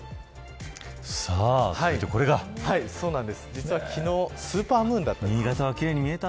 実は昨日スーパームーンだったんです。